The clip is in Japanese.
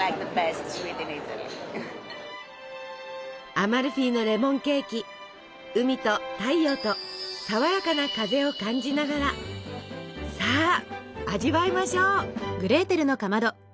アマルフィのレモンケーキ海と太陽とさわやかな風を感じながらさあ味わいましょう！